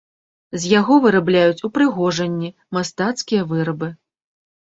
З яго вырабляюць упрыгожанні, мастацкія вырабы.